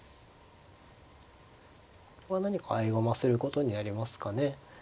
ここは何か合駒することになりますかね。